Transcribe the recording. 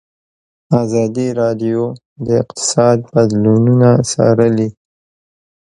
ازادي راډیو د اقتصاد بدلونونه څارلي.